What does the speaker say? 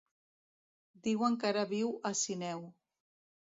Diuen que ara viu a Sineu.